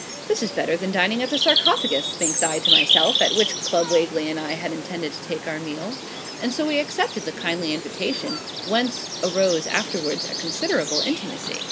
'This is better than dining at the "Sarcophagus,"' thinks I to myself, at which Club Wagley and I had intended to take our meal; and so we accepted the kindly invitation, whence arose afterwards a considerable intimacy.